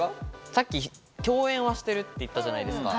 さっき共演してるって言ったじゃないですか。